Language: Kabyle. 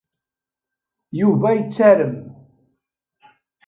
Yuba yettarem.